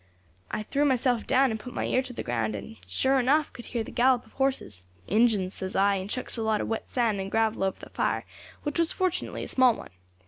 "I threw myself down and put my ear to the ground, and, sure enough, could hear the gallop of horses. 'Injins,' says I, and chucks a lot of wet sand and gravel over the fire, which was fortunately a small one.